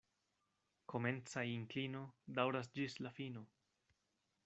Komenca inklino daŭras ĝis la fino.